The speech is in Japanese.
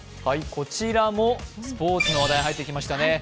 こちらもスポーツの話題入ってきましたね。